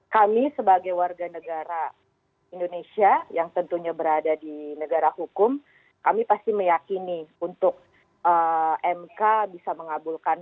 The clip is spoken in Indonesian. kami sebagai warga negara indonesia yang tentunya berada di negara hukum kami pasti meyakini untuk mk bisa mengabulkan